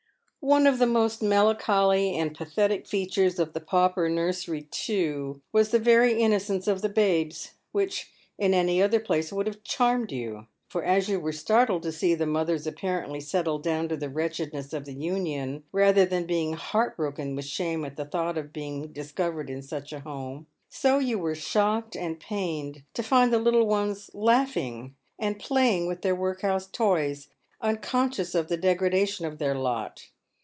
One of the most melancholy and pathetic features of the pauper nur sery, too, was the very innocence of the babes, which in any other place would have charmed you ; for, as j'ou were startled to see the mothers apparently settled down to the wretchedness of the Union, rather than being heart broken with shame at the thought of being disco vered in such a home, so you were shocked and pained to find the little ones laughing and playing with their workhouse toys, unconscious of the degradation of their lot.